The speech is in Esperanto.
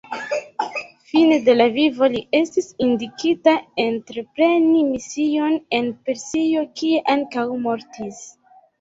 Fine de la vivo li estis indikita entrepreni mision en Persio, kie ankaŭ mortis.